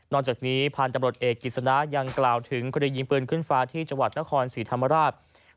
จากนี้พันธุ์ตำรวจเอกกิจสนะยังกล่าวถึงคดียิงปืนขึ้นฟ้าที่จังหวัดนครศรีธรรมราช